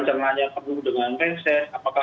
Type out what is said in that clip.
cengahnya penuh dengan mengses apakah